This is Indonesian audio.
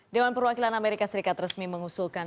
dewan perwakilan amerika serikat resmi mengusulkan